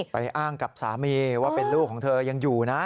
อ้างกับสามีว่าเป็นลูกของเธอยังอยู่นะ